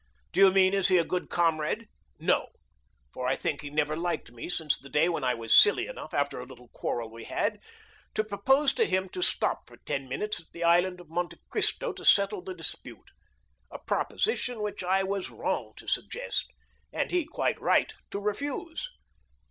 Do you mean is he a good comrade? No, for I think he never liked me since the day when I was silly enough, after a little quarrel we had, to propose to him to stop for ten minutes at the island of Monte Cristo to settle the dispute—a proposition which I was wrong to suggest, and he quite right to refuse.